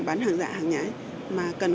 bán hàng dạ hàng nhái mà cần